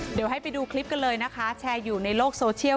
เดี๋ยวให้ไปดูคลิปกันเลยนะคะแชร์อยู่ในโลกโซเชียล